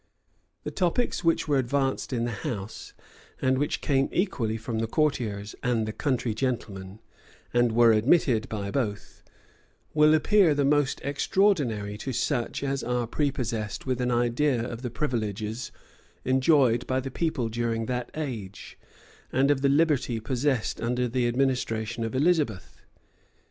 The topics which were advanced in the house, and which came equally from the courtiers and the country gentlemen, and were admitted by both, will appear the most extraordinary to such as are prepossessed with an idea of the privileges enjoyed by the people during that age, and of the liberty possessed under the administration of Elizabeth.